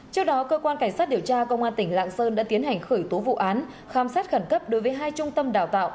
trước đó cơ quan cảnh sát điều tra công an tỉnh lạng sơn đã tiến hành khởi tố vụ án khám xét khẩn cấp đối với hai trung tâm đào tạo